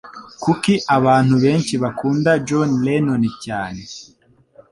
Kuki abantu benshi bakunda John Lennon cyane?